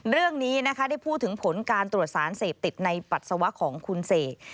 เรื่องนี้นะคะได้พูดถึงผลการตรวจสารเสพติดในปัสสาวะของคุณเสก